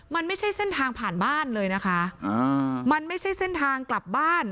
มันไม่ใช่เส้นทางผ่านบ้านเลยนะคะอ่ามันไม่ใช่เส้นทางกลับบ้าน